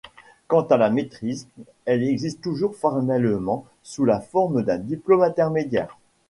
Quant à la maitrise, elle existe toujours formellement, sous la forme d’un diplôme intermédiaire.